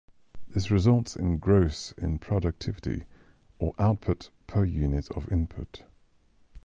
This results in growth in productivity or output per unit of input.